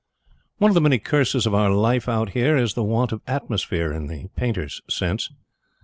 One of the many curses of our life out here is the want of atmosphere in the painter's sense.